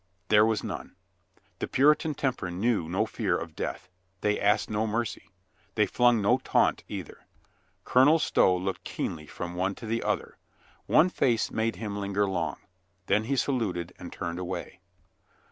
There was none. The Puritan temper knew no fear of death. They asked no mercy. They flung no taunt either. Colonel Stow looked keenly from one to 298 COLONEL GREATHEART the other; one face made him linger long. Then he saluted and turned away.